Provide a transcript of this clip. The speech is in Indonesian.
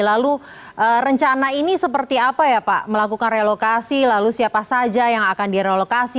lalu rencana ini seperti apa ya pak melakukan relokasi lalu siapa saja yang akan direlokasi